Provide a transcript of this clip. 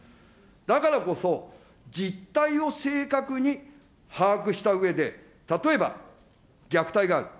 だからこそ、実態を正確に把握したうえで、例えば、虐待がある。